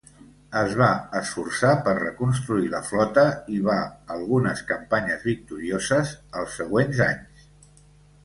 Es va esforçar per reconstruir la flota i va algunes campanyes victorioses els següents anys.